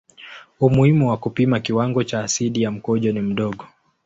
Umuhimu wa kupima kiwango cha asidi ya mkojo ni mdogo.